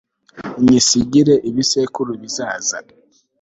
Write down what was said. nyisigire ibisekuru bizaza